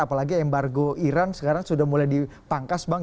apalagi embargo iran sekarang sudah mulai dipangkas bang